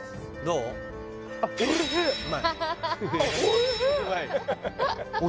うまい？